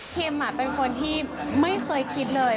เป็นคนที่ไม่เคยคิดเลย